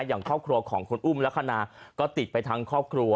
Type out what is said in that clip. อย่างครอบครัวของคุณอุ้มลักษณะก็ติดไปทั้งครอบครัว